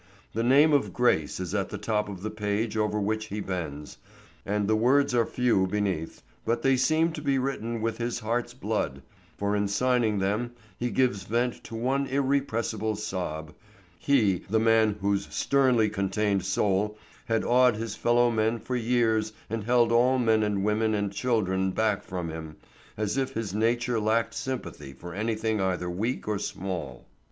The name of Grace is at the top of the page over which he bends, and the words are few beneath, but they seem to be written with his heart's blood; for in signing them he gives vent to one irrepressible sob—he the man whose sternly contained soul had awed his fellow men for years and held all men and women and children back from him, as if his nature lacked sympathy for anything either weak or small.